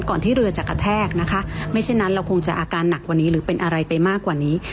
ที่เรือจะกระแทกนะคะไม่เช่นนั้นเราคงจะอาการหนักกว่านี้หรือเป็นอะไรไปมากกว่านี้